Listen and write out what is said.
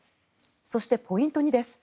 そして、ポイント２です。